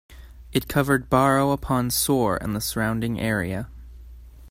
It covered Barrow upon Soar and the surrounding area.